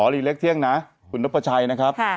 อ๋อนี่เล็กเที่ยงนะคุณนกประชัยนะครับ